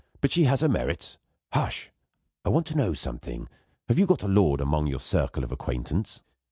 But she has her merits. Hush! I want to know something. Have you got a lord among your circle of acquaintance?"